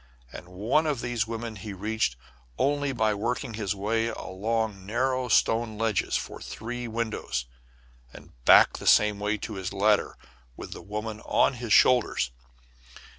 And one of these women he reached only by working his way along narrow stone ledges for three windows, and back the same way to his ladder with the woman on his shoulders.